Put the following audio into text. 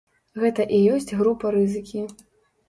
Гэта і ёсць група рызыкі.